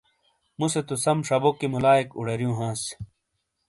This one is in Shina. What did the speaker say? مُوسے تو سم شبوکی ملایئک اُوڈاریوں ہانس۔